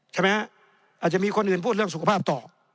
ใช่ไหมอาจจะมีคนอื่นพูดเรื่องสุขภาพต่อ